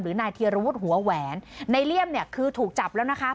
นายเทียรวุฒิหัวแหวนในเลี่ยมเนี่ยคือถูกจับแล้วนะคะ